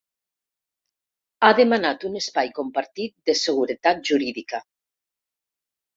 Ha demanat un espai compartit de seguretat jurídica.